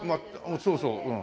そうそううん。